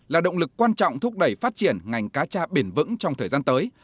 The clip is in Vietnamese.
là động lực quan trọng thúc đẩy phát triển ngành cá tra bền vững trong thời gian tới